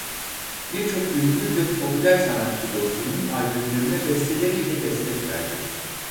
Birçok ünlü ve popüler sanatçı dostunun albümlerine besteleriyle destek verdi.